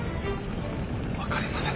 分かりませぬ。